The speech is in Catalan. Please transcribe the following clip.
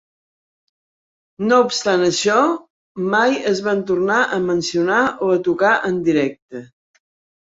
No obstant això, mai es van tornar a mencionar o a tocar en directe.